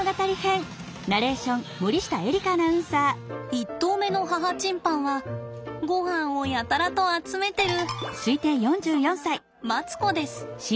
１頭目の母チンパンはごはんをやたらと集めてるその名はマツコです。